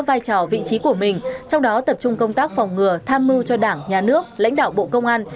vai trò vị trí của mình trong đó tập trung công tác phòng ngừa tham mưu cho đảng nhà nước lãnh đạo bộ công an